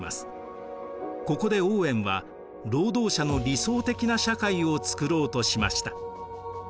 ここでオーウェンは労働者の理想的な社会をつくろうとしました。